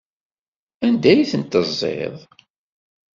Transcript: Anda ay tent-teẓẓiḍ?